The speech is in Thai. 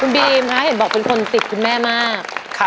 บีมคะเห็นบอกเป็นคนติดคุณแม่มาก